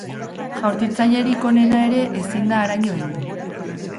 Jaurtitzailerik onena ere ezin da haraino heldu.